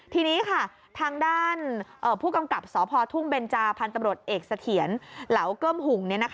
ทีนี้ค่ะทางด้านผู้กำกับสพทุ่งเบนจาพันธุ์ตำรวจเอกเสถียรเหลาเกิ้มหุ่ง